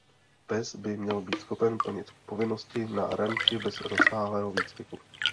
Pes by měl být schopen plnit povinnosti na ranči bez rozsáhlého výcviku.